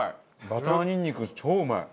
バターニンニク超うまい。